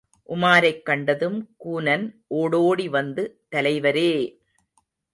உமாரைக் கண்டதும், கூனன் ஓடோடி வந்து, தலைவரே!